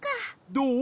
どう？